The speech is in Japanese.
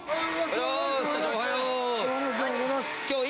おはよう。